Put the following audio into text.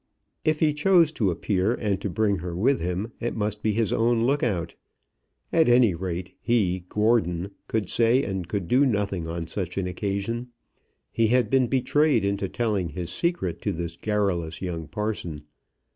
If he chose to appear and to bring her with him, it must be his own look out. At any rate he, Gordon, could say and could do nothing on such an occasion. He had been betrayed into telling his secret to this garrulous young parson.